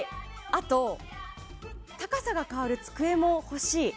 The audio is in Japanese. あと、高さが変わる机も欲しい。